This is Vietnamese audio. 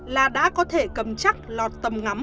là đã có thể cầm chắc lọt tầm ngắm